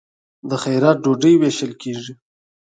د خیرات ډوډۍ ویشل کیږي.